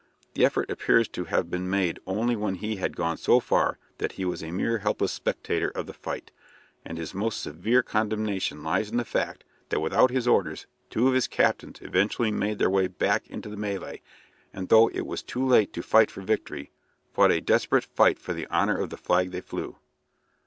The effort appears to have been made only when he had gone so far that he was a mere helpless spectator of the fight, and his most severe condemnation lies in the fact that without his orders two of his captains eventually made their way back into the mêlée and, though it was too late to fight for victory, fought a desperate fight for the honour of the flag they flew.